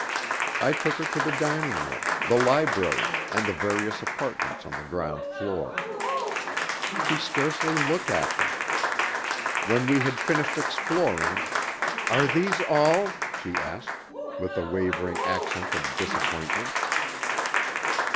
I took her to the dining room, the library, and the various apartments on the ground floor. She scarcely looked at them. When we had finished exploring, "Are these all?" she asked, with a wavering accent of disappointment.